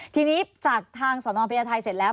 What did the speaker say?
ทีนี้จากทางสนพญาไทยเสร็จแล้ว